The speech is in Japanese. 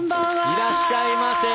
いらっしゃいませ！